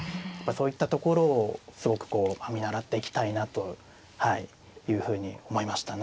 そういったところをすごくこう見習っていきたいなというふうに思いましたね。